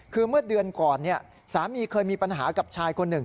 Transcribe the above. คือเมื่อเดือนก่อนสามีเคยมีปัญหากับชายคนหนึ่ง